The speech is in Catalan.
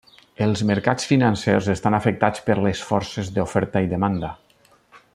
Els mercats financers estan afectats per les forces d'oferta i demanda.